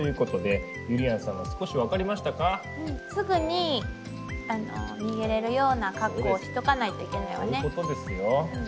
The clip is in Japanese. すぐに逃げれるような格好をしとかないといけないわね。